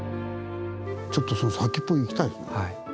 ちょっとその先っぽ行きたいですね。